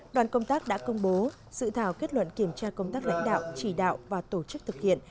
đoàn công tác đã công bố sự thảo kết luận kiểm tra công tác lãnh đạo chỉ đạo và tổ chức thực hiện